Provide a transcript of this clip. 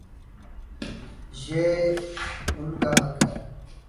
یہ ان کا حق ہے۔